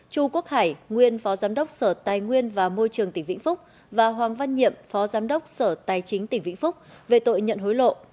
chu quốc hải nguyên phó giám đốc sở tài nguyên và môi trường tỉnh vĩnh phúc và hoàng văn nhiệm phó giám đốc sở tài chính tỉnh vĩnh phúc về tội nhận hối lộ